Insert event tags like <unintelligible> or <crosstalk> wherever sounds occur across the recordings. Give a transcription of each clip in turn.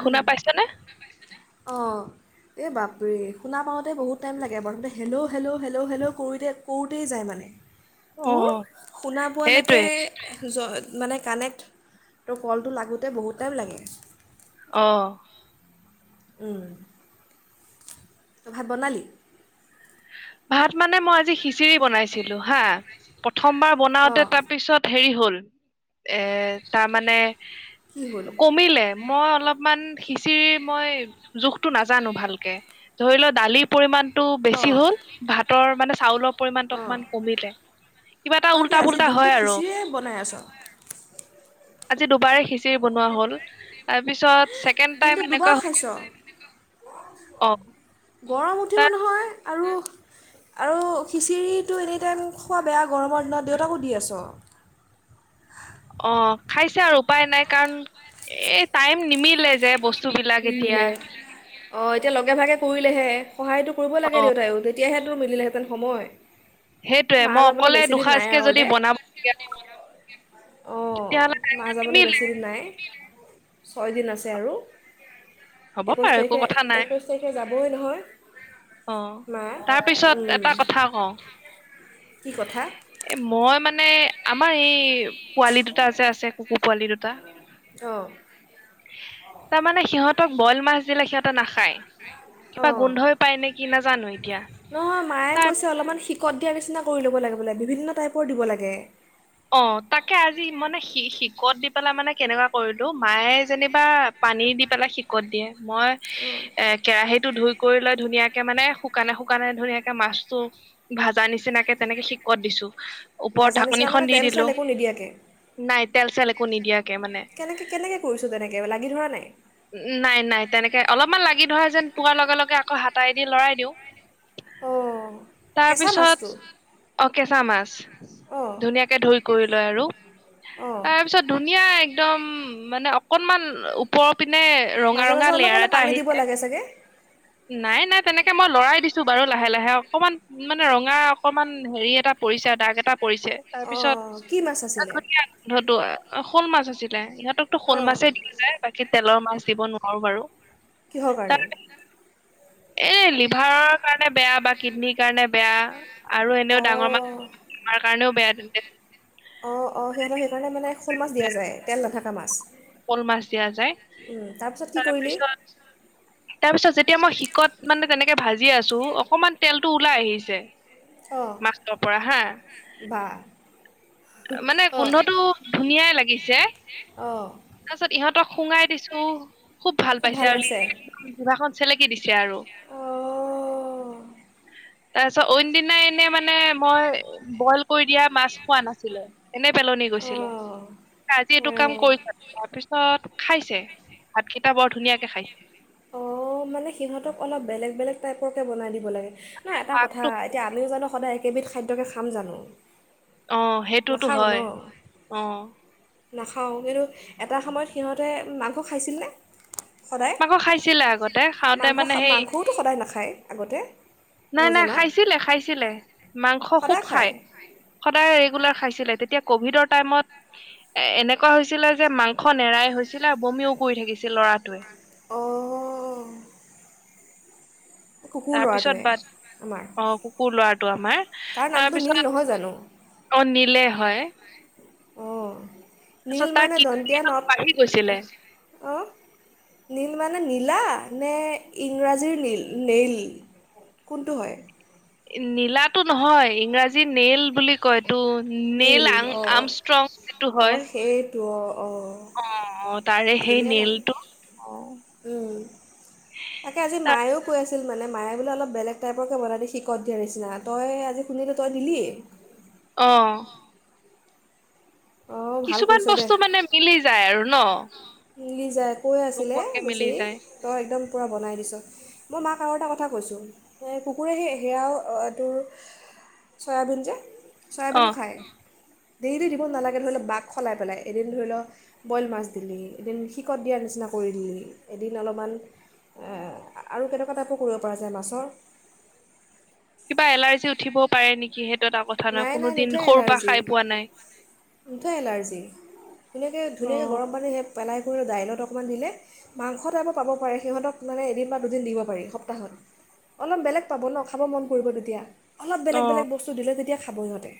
শুনা পাইছানে? আহঁ, এই বাপৰে শুনা পাওঁতে বহুত টাইম লাগে, প্ৰথমতে হেল্ল'-হেল্ল'- হেল্ল'-হেল্ল' কৰোঁতে কৰোঁতেই যায় মানে। তোৰ অ', শুনা পোৱালৈকে সেইটোৱে মানে কানেক্ট কলটো লাগোঁতে বহুত টাইম লাগে। আহ, উম, তই ভাত বনালি? ভাত মানে মই আজি শিচিৰি বনাইছিলো হা প্ৰথমবাৰ বনাওঁতে অঁ তাৰপিছত হেৰি হল এ তাৰ মানে কি হ'ল কমিলে মই অলপমান খিচিৰি মই জোখতটো নাজানো ভালকে ধৰি লও দালিৰ পৰিমানটো বেছি অঁ হ'ল ভাতৰ মানে চাউলৰ পৰিমানটো অঁ অকমান কমিলে কিবা এটা তই কি উল্টা আজি পুল্টা দিনটো হয় আৰু। খিচিৰিয়ে বনাই আছ আজি দুবাৰে খিচিৰি বনোৱা হ'ল তাৰপিছত ছেকেণ্ড দিনটো টাইম দুবাৰ এনেকুৱা খাইছ হ গৰম উঠিব তাৰ নহয় আৰু আৰু খিচিৰিটো এনি টাইম খোৱা বেয়া গৰমৰ দিনত দেউতাকো দি আছো অ খাইছে আৰু উপায় নাই কাৰণ এই টাইম নিমিলে যে বস্তু বস্তু বিলাক এতিয়া অ এতিয়া লগে ভাগে কৰিলেহে সহায়টো কৰিব অ লাগে দেউতায়ো তেতিয়াহে টো মিলেহেঁতেন সময় সেইটোয়ে মা মই যাবলৈ অকলে বেছিদিন নাই দুসাঁজকে আৰু যদি দে বনাব লগীয়া হয় অঁ তেতিয়াাহলে মা যাবলৈ নিমিলে বেছিদিন নাই ছয়দিন আছে আৰু হ'ব একৈশ পাৰে একো তাৰিখে, কথা নাই একৈশ তাৰিখে যাবই নহয়। অ মা, তাৰ পিছত উম এটা কথা কওঁ কি কথা? এ মই মানে, আমাৰ এই পোৱালি দুটা যে আছে, কুকুৰ পোৱালি দুটা। অঁ তাৰমানে সিহঁত সিহঁতক বইল মাছ দিলে, সিহঁতে নাখায়। কিবা অ', গোন্ধই পায় নে কি নাজানো এতিয়া নহয় মায়ে তাৰ কৈছে অলপমান সিকত দিয়া নিচিনা কৰি ল'ব লাগে বোলে, বিভিন্ন টাইপৰ দিব লাগে। অ', তাকে আজি মানে সি সিকত দি পেলাই মানে কেনেকুৱা কৰিলোঁ, মায়ে যেনিবা পানী দি পেলাই শিকত দিয়ে। মই অঁ এ, কেৰাহিত টো ধুই কৰি লৈ ধুনীয়াকে মানে শুকানে-শুকানে ধুনীয়াকে মাছটো ভাজা নিচিনাকে তেনেকে সিকত দিছোঁ। ওপৰত ভাজা নিচিনা মানে ঢাকনিখন দি তেল একো নিদিয়াকে তেল-চেল একো নিদিয়াকে। মানে কেনেকে? কেনেকে কৰিছ তেনেকে, লাগি ধৰা নাই? নাই নাই তেনেকে অলপমান লাগি ধৰা যেন পোৱাৰ লগে-লগে আকৌ হাতাই দি লৰাই দিওঁ। অঁ কেঁচা তাৰপিছত, মাছটো <unintelligible> কেঁচা মাছ অঁ ধুনীয়া কৰি লয় আৰু, অঁ তাৰপিছত ধুনীয়া একদম মানে অকণমান ওপৰত পিনে মাজে ৰঙা-ৰঙা মাজে অলপ লেয়াৰ অলপ এটা পানী দিব আহিছে। লাগে চাগে নাই নাই তেনেকে মই লৰাই দিছোঁ বাৰু লাহে লাহে অকমান মানে ৰঙা অকমান হেৰি এটা পৰিছে দাগ এটা পৰিছে, তাৰপিছত অঁ কি মাছ এ আছিলে ধুনিয়া গোন্ধটো। অ' শ'ল মাছ আছিলে। ইয়াত তোকতো শ'ল অঁ মাছেই দি যায় বাকী তেলৰ মাছ দিব নোৱাৰোঁ বাৰু কিহৰ কাৰণে? এ লিভাৰৰ কাৰণে বেয়া বা কিডনীৰ কাৰণে বেয়া। আৰু এনেও ডাঙৰ অঁ মানুহ, আমাৰ কাৰণেও বেয়া তেন্তে অ', অ', সিহঁতক সেইকাৰণে মানে শল মাছ দিয়া যায়, তেল নাথাকা মাছ? শ'ল মাছ দিয়া যায়। উম, কি কৰিলি তাৰপিছত তাৰপিছত যেতিয়া মই সিকত মানে তেনেকে ভাজি আছোঁ, অকমান তেলটো ওলাই আহিছে। অঁ মাছটোৰ পৰা হাঁ, বা মানে অঁ গোন্ধটো ধুনীয়াই লাগিছে। <unintelligible> অ' তাৰপিছত ইহঁতক শুঙাই দিছোঁ খুব ভাল পাইছে আৰু, লিলি একদম জিভাখন চেলেকি দিছে আৰু। অঁ তাৰপিছত অইন দিনা এনে মানে, মই বইল কৰি দিয়া মাছ খোৱা নাছিলে। এনে পেলনি গৈছিলে। অঁ তই আজি এইটো কাম কৰিছ অঁ তাৰপিছত খাইছে, ভাতকেইটা বৰ ধুনীয়াকে খাইছে। অ', মানে সিহঁতক অলপ বেলেগ বেলেগ টাইপৰকে বনাই দিব লাগে। ন এটা কথা, পাকটো এতিয়া আমিও জানো সদায় একেবিধ খাদ্যকে খাম জানো? অ', সেইটোতো নাখাওঁ ন হয়। অ' নাখাওঁ কিন্তু এটা সময়ত সিহঁতে মাংস খাইছিলনে? সদায় মাকৌ খাইছিলে আগতে, খাওঁতে মাংস মানে খা- সেই মাংসওতো সদায় নাখায় আগতে নাই মই নাই জনাত খাইছিলে, খাইছিলে। মাংস খুব সদায় খায় খাই, সদায় ৰেগুলাৰ খাইছিল। তেতিয়া কভিডৰ টাইমত এনেকুৱা হৈছিলে যে, মাংস নেৰাই হৈছিলে আৰু বমিও কৰি থাকছিল <unintelligible> অ' তাৰপিছত বাট, আমাৰ অ', কুকুৰ লৰাটো আমাৰ। তাৰ নামটো নীল তাৰপিছত নহয় জানো অ', নিলে হয়। অ' নীল তাৰপিছত তাৰ মানে, কিডনী দন্ত্য অলপ নত বাঢ়ি গৈছিলে অ', নীল মানে নীলা নে ইংৰাজীৰ নীল, নেইল কোনটো হয়? নীলাটো নহয় ইংৰাজী নেইল বুলি কয়। টো নীল নেইল আঙ আমষ্ট্ৰং সেইটো হয়। টো অ' অ', অ তাৰে সেই ধুনীয়া নাম। নেইলটো অ উম, তাকে আজি তাৰ মায়ো কৈ আছিল মানে মায়ে বোলে অলপ বেলেগ টাইপৰকে বনাই দিয়ে সিকত দিয়াৰ নিচিনা। তই আজি শুনিলোঁ, তই দিলিয়েই। অ' অঁ ভাল কিছুমান কৰিছ দে বস্তু মানে মিলি যায় আৰু ন? মিলি যায়। কৈ আছিলে, নোকোৱাকে মিলি বেচেৰি যায় তই একদম পূৰা বনাই দিছ। মই মাক আৰু এটা কথা কৈছোঁ, এই কুকুৰে সেই সেয়াও তোৰ চয়াবিন যে অ চয়াবিনো খায়। দেইলি দিব নালা ধৰি ল বাক সলাই পেলাই, এদিন ধৰি ল বইল মাছ দিলি, এদিন শিকত দিয়াৰ নিচিনা কৰি দিলি, এদিন অলপমান, আৰু কেনেকুৱা টাইপো কৰিব পৰা যায় মাছৰ? কিবা এলাৰ্জি উঠিব পাৰে নেকি সে নাই নাই, নুঠে এলাৰ্জি। নাই নুঠে এলাৰ্জি। অ ধুনীযা়কৈ-ধুনীয়াকৈ গৰম পানী সেপ পেলাই কৰি দাইলত অকণমান দিলে, মাংস টাইপৰ পাব পাৰে সিহঁতক মানে এদিন বা দুদিন দিব পাৰি, সপ্তাহত। অলপ বেলেগ পাব ন খাব মন কৰিব তেতিয়া। অলপ অ বেলেগ-বেলেগ বস্তু দিলে তেতিয়া খাবই সিহঁতে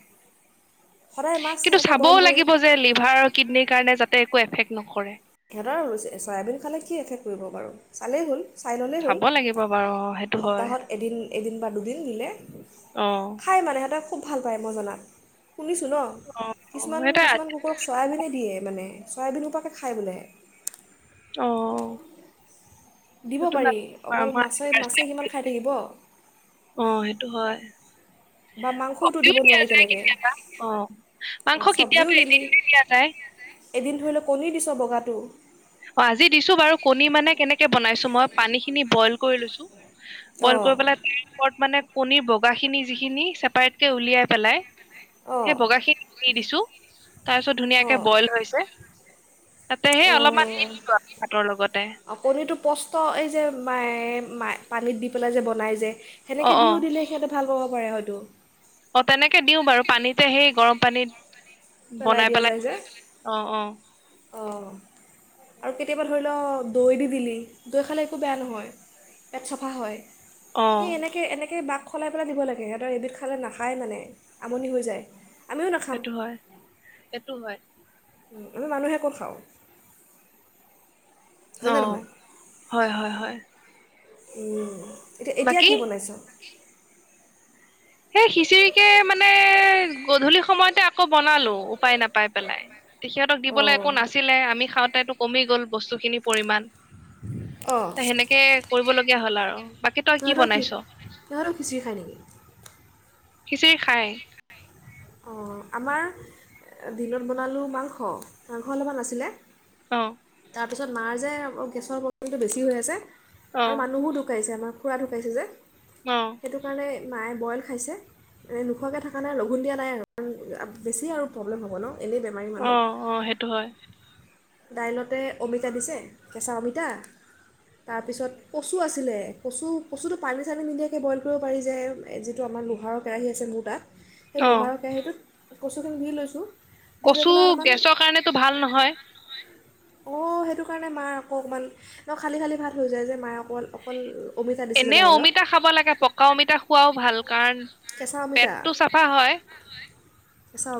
সদায় মাছ কিন্তু সেনেকে বইল চাবও কৰি, লাগিব যে লিভাৰ কিডনীৰ কাৰণে যাতে একো এফেক্ট নকৰে সিহঁতৰ চয়াবিন খালে কি এফেক্ট কৰিব বাৰু? চালেই হ'ল। চাই ল'লেই হ'ল। চাব লাগিব বাৰু অ সেইটো হয় সপ্তাহত এদিন-এদিন বা দুদিন নিলে, অ খাই মানে সিহঁতে খুব ভাল পায় মই জনাত। শুনিছোঁ ন! অ অ সেইটো কিছুমান-কিছুমান কুকুৰক চয়াবিনে দিয়ে মানে। চয়াবিন সোপাকে খায় বোলে! অ'। দিব সেইটো পাৰি নাইকৰা, অকল মই মাছে আজি ফাৰ্ষ্ট মাছে টাইম কিমান খাই থাকিব শুনিলোঁ। অ' সেইটো হয়। বা মাংসওতো কবিও দিব দিয়া নোৱাৰি যায় কেতিয়াবা অ তেনেক। মাংস অ' চব্জিও কেতিয়াবা এদিন দিলি, এৰি দিয়া যায় এদিন ধৰি ল কণী দিছ বগাত টো অ' আজি দিছো বাৰু, কণী মানে কেনেকে বনাইছো, মই পানীখিনি বইল কৰি লৈছো। বইল অঁ কৰি পেলাই তাৰ ওপৰত মানে কণীৰ বগাখিনি যিখিনি, ছেপাৰেটকে উলিয়াই পেলাই অঁ সেই বগাখিনি দি দিছো। তাৰপিছত ধুনীয়াকে অঁ বইল হৈছে। তাতে সেই অলপমান দি দিছো আৰু ভাতৰ লগতে অ' কণীটো পষ্ট এই যে, মাই- মাই পানীত দি পেলাই যে বনাই যে। সেনেকে অ অ দিও দিলে সিহঁতে ভাল পাব। কৰে হয়তো! অ' তেনেকে দিও বাৰু পানীতে সেই গৰম পানীত বনাই পেলাই, অ' অ' অ'। আৰু কেতিয়াবা ধৰি ল দৈ দি দিলি, দৈ খালে একো বেয়া নহয়, পেট চাফা হয়। অ এ এনেকে-এনেকে বাক খলাই পেলাই দিব লাগে, সিহঁতৰ এবিধ খালে নাখায় মানে, আমনি হৈ যায়। আমিও নাখাম। সটো হয়। ওম এ মানুহে কত খাওঁ। অ হয়নে নহয় হয় হয় হয়। উম। এতিয়া এতিয়া বাকী কি বনাইছে। সেই খিচিৰিকে মানে গধূলি সময়তে আকৌ বনালো উপায় নাপাই পেলাই। তেখিহঁতক দিবলৈ অঁ একো নাছিলে আমি খাওঁতে তোক। কমি গ'ল বস্তুখিনি পৰিমাণ। ত সেনেকে কৰিব লগে। এ হ'ল আৰু। বাকী তই কি নহ ৰখি বনাইছ নহ ৰ খিছি খায় নেকি। খিচিৰি খায়। অঁ আমাৰ দিনত বনালোঁ মাংস মাংস অলপমান আছিলে। অ। তাৰপিছত মাৰ যে গেছৰ প্ৰব্লেমটো বেছি হৈ আছে। অ আৰু মানুহো ঢুকাইছে আমা। খুৰা ঢকাইছে যে। অ সেইটো কাৰণে। মায়ে বইল খাইছে নোখোৱাকৈ থকা নাই লঘোণ দিয়া। নাই ওম বেছি আৰু প্ৰব্লেম হ'ব ন। এনেই বেমাৰী অ মানুহ অ সেইটো হয়। দাইলতে অমিতা দিছে কেঁচা অমিতা তাৰপিছত কচু আছিলে কচু কচুটো পানী চানী নিদিয়াকৈ বইল কৰিব পাৰি যে যিটো আমাৰ লোহাৰৰ কেৰাহী আছে মোৰ তাত। সেই অ লোহাৰ কেৰাহীটোত। কচুখিনি ধুই লৈছো। কচু গেছৰ কাৰণেতো ভাল নহয় অঁ সেইটো কাৰণে মা আকৌ অকণমান ন খালী খালী ভাত হৈ যায় যে মায় অকল অকল। অমিতা দিছিলে এনে দাইলত অমিতা খাব লাগে পকা অমিতা খোৱাও ভাল কাৰণ কেঁচা অমিতা পেটটো চাফা হয়।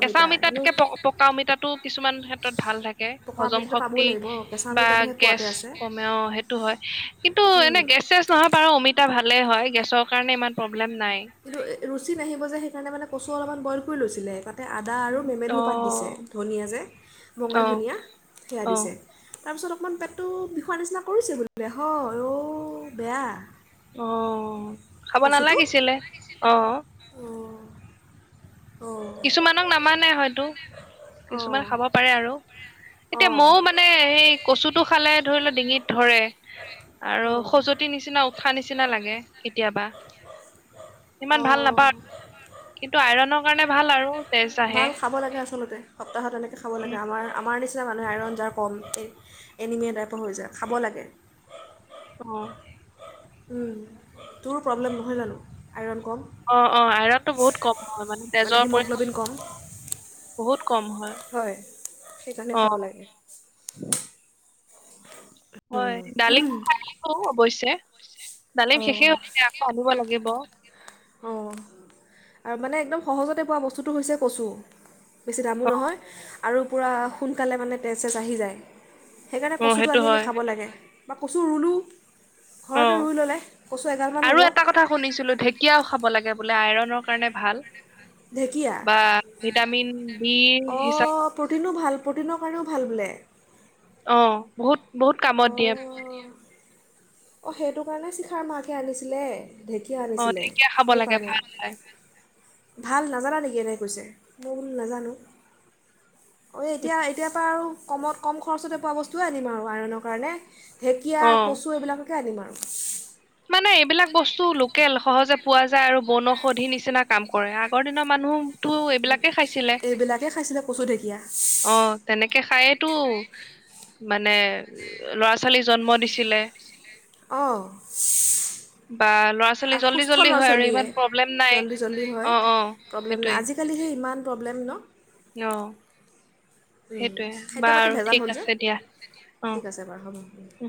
কেঁচা এনেও অমিতাতকে পকা অমিতাতো। কিছুমান ক্ষেত্ৰত ভাল থাকে। পকা হজম অমিতাটো পাবও শক্তি লাগিব কেঁচা বা অমিতাটোহে গেছ পোৱাতে আছে কমেও সেইটো হয় কিন্তু উম, এনে গেছ চেছ নহয় বাৰু অমিতা। টা ভালে হয় গেছৰ কাৰণে ইমান প্ৰব্লেম। কিন্তু <unintelligible> ৰুচি নাহিব যে সেইকাৰণে মানে কচু অলপমান বইল কৰি লৈছিলে এপা। তা আদা আৰু অ মেমেধু পাত দিছে ধনিয়া যে বঙাল অ ধনিয়া সেয়া অ দিছে। তাৰ পিছত। অকণমান পেটটো বিষোৱা নিচিনা কৰিছে অঔ বেয়া। অ। খাব কচুটো নালাগিছিলে অ। অঁ অঁ কিছুমানক নামানে হয়তো কিছুমান অঁ খাব পাৰে আৰু। এতিয়া অঁ ময়ও মানে সেই কচুটো খালে ধৰি লও ডিঙিত ধৰে আৰু অঁ খজুৱতি নিচিনা উঠা নিচিনা লাগে কেতিয়াবা ইমান ভাল অঁ নাপাওঁ কিন্তু আইৰনৰ কাৰণে। ভাল আৰু। তেজ আহে ভাল খাব লাগে আচলতে সপ্তাহত এনেকৈ খাব উম, লাগে আমাৰ আমাৰ নিচিনা। মানুহে আইৰণ যাৰ কম এনিমিয় টাইপৰ হৈ যায় খাব লাগে। উম। তোৰো প্ৰব্লেম নহয় জানো আইৰণ। কম অ অ আইৰণটো বহুত কম হয় মানে তেজৰ হিমগ্ল'বিন কম পৰিণ। বহুত। হয় সেইকাৰণে খাব অ', লাগে। উম, হয় ডালিমাইো অৱশ্যে ডালিম অঁ শেষেই হল আকৌ আনিব লাগিব। অঁ আৰু মানে একদম সহজতে পোৱা বস্তুটো হৈছে কচু। বেছি দামো অ', নহয়। আৰু পূৰা সোনকালে মানে তেজ চেজ আহি যায়। সেইকাৰণে অ', কচুটো সেইটো আনি আনি হয় খাব লাগে। বা কচু ৰুলোঁ। ঘৰতে অ', ৰুই ল'লে কচু এগালমান হ'ব আৰু এটা কথা। ঢেঁকীয়া খাব লাগে। লাগে বোলে আইৰন কাৰণে ভাল। ঢেকীয়া বা অ ভিটামিন বি ভিটামিন অ হিচাপ প্ৰটিনো ভাল প্ৰটিনৰ। ভাল বোলে। অ বহুত। বহুত কামত দিয়ে। অ সেইটো কাৰণে শিখাৰ মাকে আনিছিলে। ঢেঁকীয়া অ আনিছিলে ঢেকীয়া খাব সেই লাগে কাৰণে। ভাল হয় ভাল নাজানা নেকি এনেকে কৈছে মইবোলো নাজানোঁ। অ এতিয়া এতিয়াৰ পৰা আৰু। কমত কম খৰচতে পোৱা বস্তুৱে আনিম আৰু আইৰণনৰ কাৰণে। ঢেঁকীয়া অ কচু এইবিলাক। এনেকে আনিলা। মানে এইবিলাক বস্তু লোকেল সহজে পোৱা যায় আৰু বন ঔষধি নিচিনা কাম কৰে আগৰ দিনৰ মানুহ। আগতটো এইবিলাকে খাইছিলে এইবিলাকে খাইছিলে কচু ঢেকীয়া অ তেনেকে খায়েই তো। মানে ল'ৰা ছোৱালী জন্ম দিছিলে। অ, বা ল'ৰা ছোৱালী জল্দি সুস্থ জল্দি ল'ৰা হয় আৰু ছোৱালীয়ে ইমান প্ৰব্লেম নাই জল্দি জল্দি হয় অ অ প্ৰব্লেম নাই সেইটোৱে। আজিকালি সেই ইমান প্ৰব্লেম ন। ন। খাদ্য পাতি ভেজাল হ'ল যে ঠিক আছে বাৰু হ'ব উ